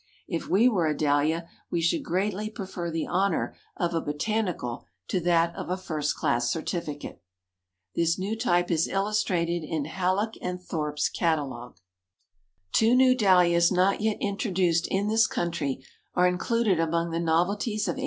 If we were a Dahlia, we should greatly prefer the honor of a 'Botanical,' to that of a 'First Class Certificate.'" This new type is illustrated in Hallock & Thorp's Catalogue. Two new Dahlias not yet introduced in this country are included among the novelties of 1881.